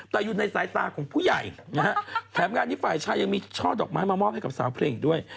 แต่อยู่ในสายตาของผู้ใหญ่นะฮะแถมงานนี้ฝ่ายชายยังมีช่อดอกไม้มามอบให้กับสาวเพลงอีกด้วย